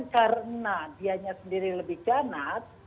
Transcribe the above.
karena dia sendiri lebih ganas